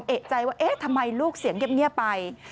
เอกใจว่าเอ๊ะทำไมลูกเสียงเงียบไป